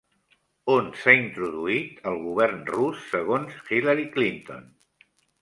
On s'ha introduït el govern rus segons Hillary Clinton?